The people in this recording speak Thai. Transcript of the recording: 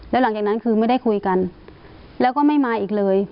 แล้วหลังจากนั้นคือไม่ได้คุยกันแล้วก็ไม่มาอีกเลย